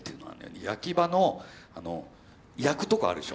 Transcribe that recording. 焼き場の焼くとこあるでしょ？